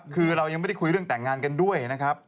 คือเรายังไม่ได้คุยเรื่องแต่งงานกันด้วยนะครับ